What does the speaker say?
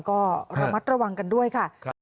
ก็ระมัดระวังกันด้วยค่ะ